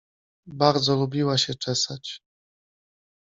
Bardzo lubiła się czesać.